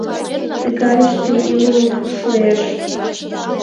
Тыгайыште илыме шуэш!